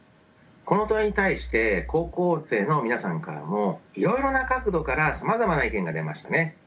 この問いに対して高校生の皆さんからもいろいろな角度からさまざまな意見が出ましたね。